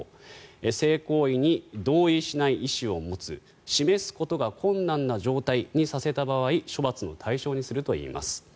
性行為に同意しない意思を持つ示すことが困難な状態にさせた場合処罰の対象にするといいます。